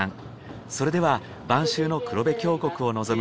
それでは晩秋の黒部峡谷を望む